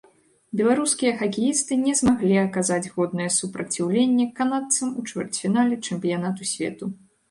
Беларускія хакеісты не змаглі аказаць годнае супраціўленне канадцам у чвэрцьфінале чэмпіянату свету.